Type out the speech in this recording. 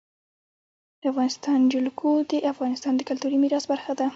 د افغانستان جلکو د افغانستان د کلتوري میراث برخه ده.